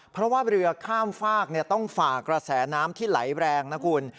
เพราะว่าเรือข้ามฝากต้องฝากกระแสน้ำที่ไหลแรงนะคุณ